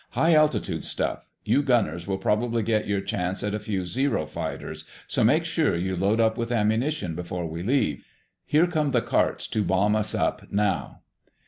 "High altitude stuff. You gunners will probably get your chance at a few Zero fighters, so make sure you load up with ammunition before we leave. Here come the carts to bomb us up now."